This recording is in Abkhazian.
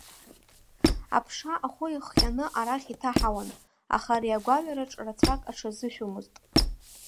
Аԥша ахәы ихҟьаны арахь иҭаҳауан, аха ари агәаҩараҿ рацәак аҽазышәомызт.